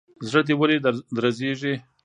زړه دي ولي درزيږي.